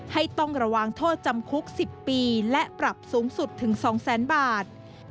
ต้องระวังโทษจำคุก๑๐ปีและปรับสูงสุดถึง๒แสนบาท